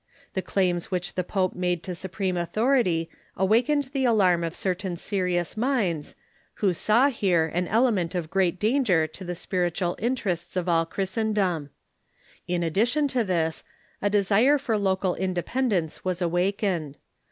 The claims which the pope made to supreme A Nbw Fore© •• authority awakened the alarm of certain serious minds, who saw here an element of great danger to the spirit ual interests of all Christendom. In addition to this, a desire for local independence was awakened.